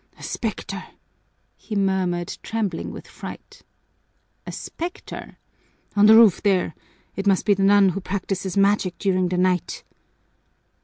"A specter!" he murmured, trembling with fright. "A specter?" "On the roof there. It must be the nun who practises magic during the night."